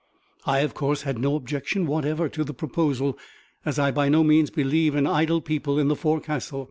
I, of course, had no objection whatever to the proposal, as I by no means believe in idle people in the forecastle.